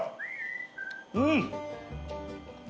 うん！